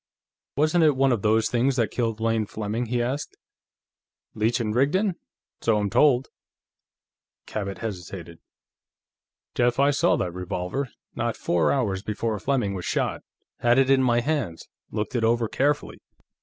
"Wasn't it one of those things that killed Lane Fleming?" he asked. "Leech & Rigdon? So I'm told." Cabot hesitated. "Jeff, I saw that revolver, not four hours before Fleming was shot. Had it in my hands; looked it over carefully."